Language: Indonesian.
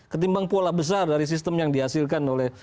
ketimbang pola besar dari sistem yang dihasilkan oleh